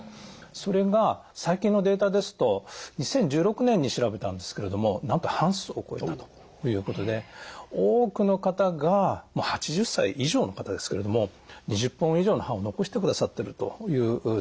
それが最近のデータですと２０１６年に調べたんですけれどもなんと半数を超えたということで多くの方が８０歳以上の方ですけれども２０本以上の歯を残してくださってるというデータが出ております。